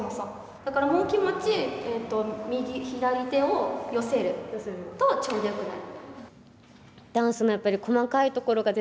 だからもう気持ち左手を寄せるとちょうどよくなる。